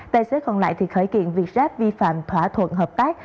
tài xế còn lại khởi kiện việc ráp vi phạm thỏa thuận hợp tác